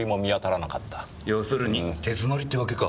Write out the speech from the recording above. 要するに手詰まりってわけか。